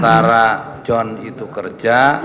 antara john itu kerja